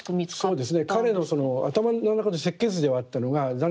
そうですね。